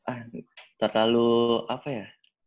ah terlalu apa ya